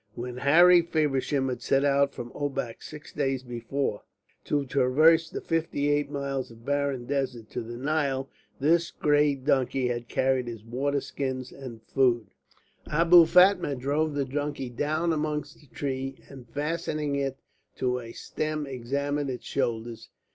When Harry Feversham had set out from Obak six days before to traverse the fifty eight miles of barren desert to the Nile, this grey donkey had carried his water skins and food. Abou Fatma drove the donkey down amongst the trees, and fastening it to a stem examined its shoulders.